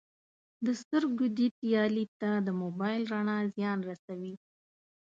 د سترګو دید یا لید ته د موبایل رڼا زیان رسوي